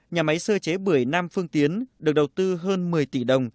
nhà máy sơ chế bưởi nam phương tiến được đầu tư hơn một mươi tỷ đồng